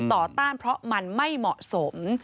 ต้านเพราะมันไม่เหมาะสม